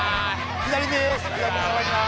左です